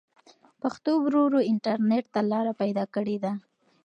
پښتو ورو ورو انټرنټ ته لاره پيدا کړې ده.